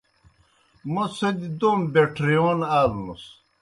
موْ څھوْدیْ دوم بَیٹھرِیون آلوْنُس۔